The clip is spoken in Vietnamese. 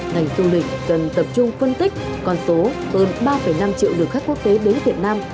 ngành du lịch cần tập trung phân tích con số hơn ba năm triệu lượt khách quốc tế đến việt nam